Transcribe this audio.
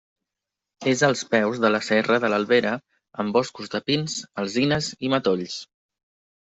És als peus de la serra de l'Albera, amb boscos de pins, alzines i matolls.